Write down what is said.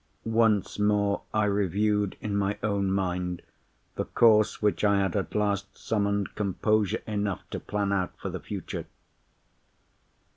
Once more, I reviewed in my own mind the course which I had at last summoned composure enough to plan out for the future.